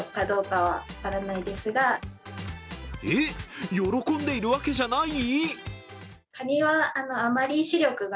えっ、喜んでいるわけじゃない？